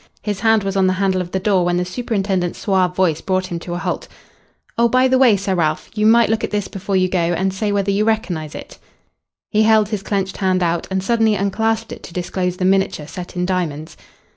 His hand was on the handle of the door when the superintendent's suave voice brought him to a halt. "Oh, by the way, Sir Ralph, you might look at this before you go, and say whether you recognise it." He held his clenched hand out, and suddenly unclasped it to disclose the miniature set in diamonds.